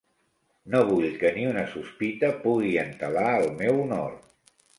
No vull que ni una sospita pugui entelar el meu honor.